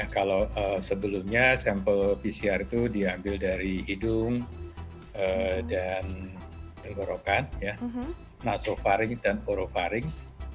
kalau sebelumnya sampel pcr itu diambil dari hidung dan tenggorokan nasofaring dan orofaring